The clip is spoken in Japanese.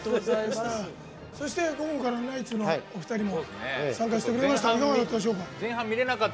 午後からナイツのお二人も参加してくれました。